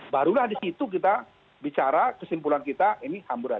barulah disitu kita bicara kesimpulan kita ini ham berat